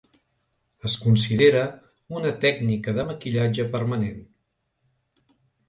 Es considera una tècnica de maquillatge permanent.